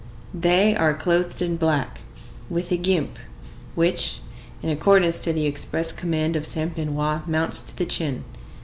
They are clothed in black, with a guimpe, which, in accordance with the express command of Saint Benoît, mounts to the chin.